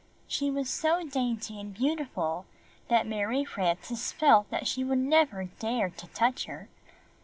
She was so dainty and beautiful that Mary Frances felt that she would never dare to touch her.